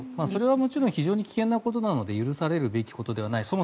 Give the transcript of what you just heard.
それはもちろん非常に危険なことなので許されるべきことではない。